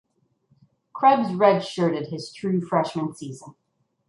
Krebs redshirted his true freshman season.